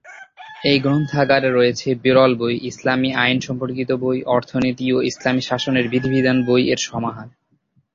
এই গ্রন্থাগারে রয়েছে বিরল বই, ইসলামী আইন সম্পর্কিত বই, অর্থনীতি ও ইসলামী শাসনের বিবিধ বই-এর সমাহার।